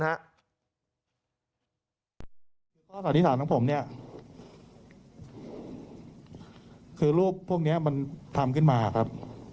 เพราะว่าท่านิษฐานของผมรูปพวกนี้มันทำขึ้นมาครับ